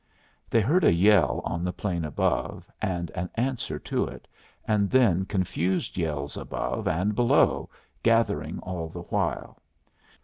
They heard a yell on the plain above, and an answer to it, and then confused yells above and below, gathering all the while.